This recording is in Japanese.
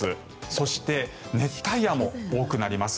そして、熱帯夜も多くなります。